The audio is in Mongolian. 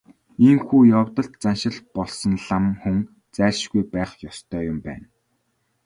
Иймэрхүү явдалд заншил болсон лам хүн зайлшгүй байх ёстой юм байна.